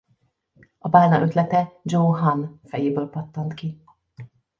A bálna ötlete Joe Hahn fejéből pattant ki.